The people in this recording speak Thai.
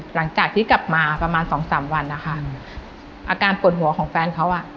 หลังจากที่กลับมาประมาณสองสามวันนะคะอาการปวดหัวของแฟนเขาอ่ะ